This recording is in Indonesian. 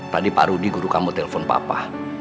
tadi pak rudi guru kamu telpon papa